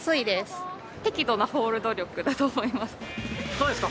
どうですか？